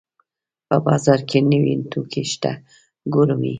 په بازار کې نوې توکي شته ګورم یې